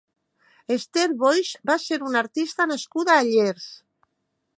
Esther Boix va ser una artista nascuda a Llers.